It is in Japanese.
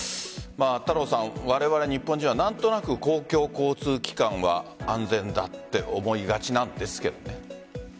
太郎さん、われわれ日本人は何となく公共交通機関は安全だって思いがちなんですけどね。